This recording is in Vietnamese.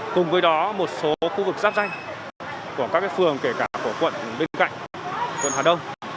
cùng với đó một số khu vực giáp danh của các phường kể cả của quận bên cạnh quận hà đông